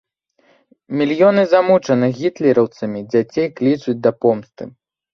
Мільёны замучаных гітлераўцамі дзяцей клічуць да помсты.